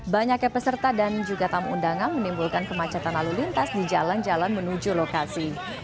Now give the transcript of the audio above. banyaknya peserta dan juga tamu undangan menimbulkan kemacetan lalu lintas di jalan jalan menuju lokasi